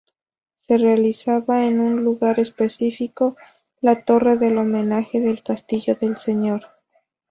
Se realizaba en un lugar específico, la torre del homenaje del castillo del señor.